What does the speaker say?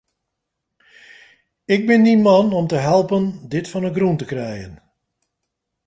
Ik bin dyn man om te helpen dit fan 'e grûn te krijen.